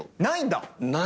ないんだ？